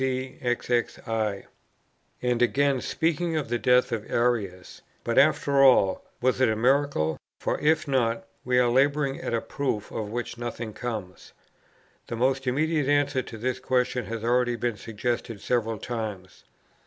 cxxi. And again, speaking of the death of Arius: "But after all, was it a miracle? for, if not, we are labouring at a proof of which nothing comes. The more immediate answer to this question has already been suggested several times.